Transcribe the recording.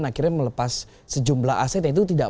akhirnya melepas sejumlah aset yaitu tidak